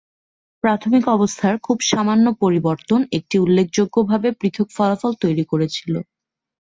প্রাথমিক অবস্থার খুব সামান্য পরিবর্তন একটি উল্লেখযোগ্যভাবে পৃথক ফলাফল তৈরি করেছিল।